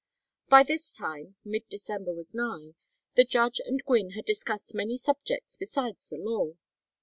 By this time mid December was nigh the judge and Gwynne had discussed many subjects besides the law.